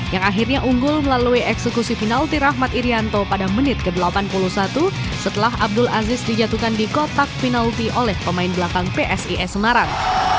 yang akhirnya unggul melalui eksekusi penalti rahmat irianto pada menit ke delapan puluh satu setelah abdul aziz dijatuhkan di kotak penalti oleh pemain belakang psis semarang